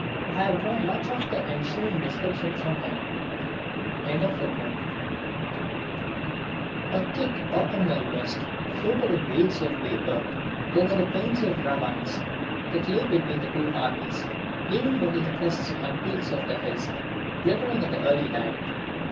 I have drawn much of the ensuing description from him.] A thick autumnal mist floated in waves of vapour over the plains and ravines that lay between the two armies, leaving only the crests and peaks of the hills glittering in the early light.